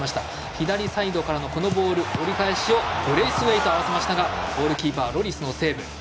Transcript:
左サイドからのこのボール折り返しをブレイスウェイトが合わせましたがゴールキーパー、ロリスのセーブ。